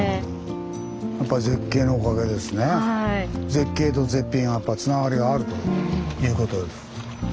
絶景と絶品はやっぱつながりがあるということです。